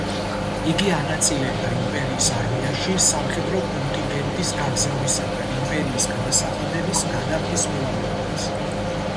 იგი ანაწილებდა იმპერიის არმიაში სამხედრო კონტინგენტების გაგზავნისა და იმპერიის გადასახადების გადახდის მოვალეობებს.